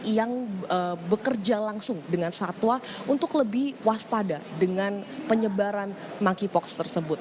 yang bekerja langsung dengan satwa untuk lebih waspada dengan penyebaran monkeypox tersebut